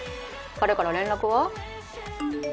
彼から連絡は？